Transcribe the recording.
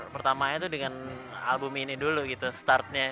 pertamanya itu dengan album ini dulu gitu startnya